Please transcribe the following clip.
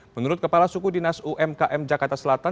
menurut kepala suku dinas umkm jakarta selatan